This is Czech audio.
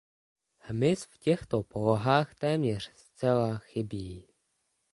Hmyz v těchto polohách téměř zcela chybí.